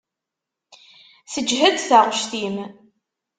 Teǧhed taɣect-im.